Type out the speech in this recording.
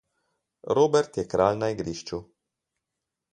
Robert je kralj na igrišču.